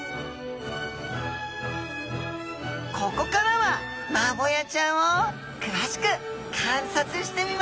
ここからはマボヤちゃんを詳しく観察してみましょう！